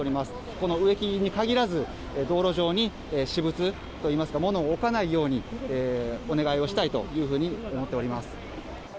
この植木に限らず、道路上に私物といいますか、物を置かないようにお願いをしたいというふうに思っております。